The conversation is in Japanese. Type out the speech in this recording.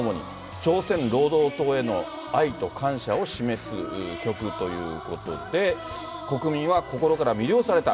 朝鮮労働党への愛と感謝を示す曲ということで、国民は心から魅了された。